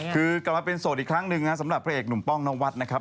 คือกลับมาเป็นโสดอีกครั้งหนึ่งนะสำหรับพระเอกหนุ่มป้องนวัดนะครับ